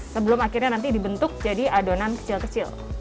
sebelum akhirnya nanti dibentuk jadi adonan kecil kecil